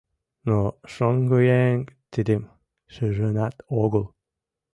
Но шоҥгыеҥ тидым шижынат огыл.